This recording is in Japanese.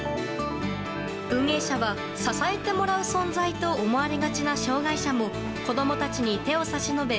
運営者は支えてもらう存在と思われがちな障害者も子供たちに手を差し伸べ